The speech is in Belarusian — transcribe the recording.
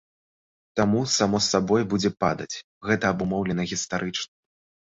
Таму само сабой будзе падаць, гэта абумоўлена гістарычна.